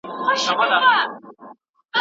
ایا ته غواړې چې د سوات د ابشارونو په اړه واورې؟